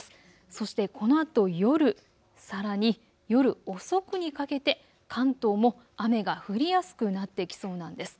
そしてこのあと夜、さらに夜遅くにかけて関東も雨が降りやすくなってきそうなんです。